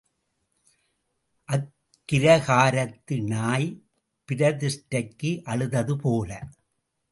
அக்கிரகாரத்து நாய் பிரதிஷ்டைக்கு அழுதது போல,